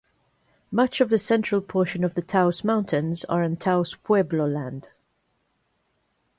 Much of the central portion of the Taos Mountains are on Taos Pueblo land.